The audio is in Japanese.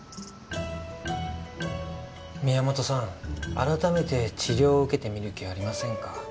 改めて治療を受けてみる気はありませんか？